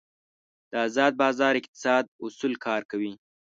د ازاد بازار اقتصاد اصول کار کوي.